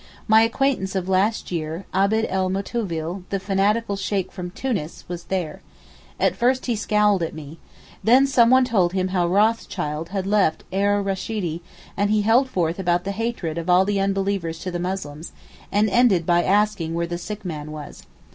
My acquaintance of last year, Abd el Moutovil, the fanatical Sheykh from Tunis was there. At first he scowled at me. Then someone told him how Rothschild had left Er Rasheedee, and he held forth about the hatred of all the unbelievers to the Muslims, and ended by asking where the sick man was.